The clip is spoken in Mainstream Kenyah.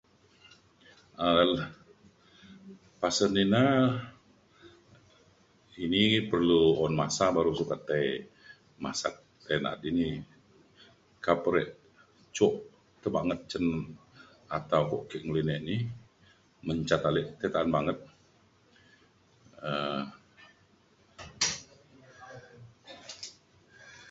um pasen ina ini perlu un masa baru sukat tai masat tai na’at dini meka pe re jok ke banget cin ata ke ngelinek ni mencat ale tai ta’an banget um